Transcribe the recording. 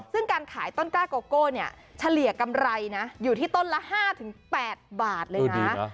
ซึ่งการขายต้นกล้าโกโก้เนี่ยเฉลี่ยกำไรนะอยู่ที่ต้นละ๕๘บาทเลยนะ